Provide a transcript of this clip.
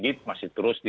dan masih wi fi